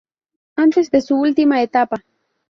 Antes de su última etapa.